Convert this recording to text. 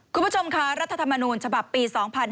คุณผู้ชมคะรัฐธรรมนูญฉบับปี๒๕๕๙